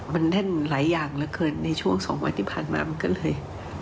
มันแน่นหลายอย่างเหลือเกินในช่วง๒วันที่ผ่านมามันก็เลย